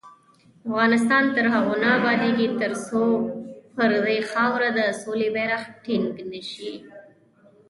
افغانستان تر هغو نه ابادیږي، ترڅو پر دې خاوره د سولې بیرغ ټینګ نشي.